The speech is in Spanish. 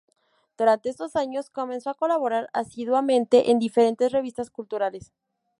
Durante estos años comenzó a colaborar asiduamente en diferentes revistas culturales.